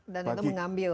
dan untuk mengambil